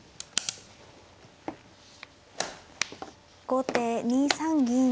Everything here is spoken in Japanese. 後手２三銀。